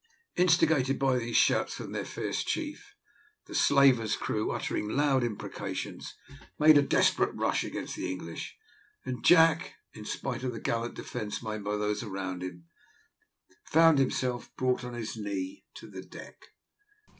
Instigated by these shouts from their fierce chief, the slaver's crew, uttering loud imprecations, made a desperate rush against the English, and Jack, in spite of the gallant defence made by those around him, found himself brought on his knee to the deck.